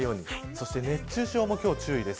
そして熱中症も今日注意です。